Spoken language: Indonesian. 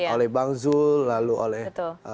oleh bang zul lalu oleh